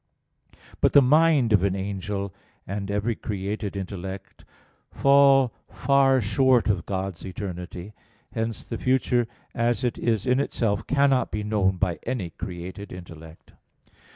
But the mind of an angel, and every created intellect, fall far short of God's eternity; hence the future as it is in itself cannot be known by any created intellect.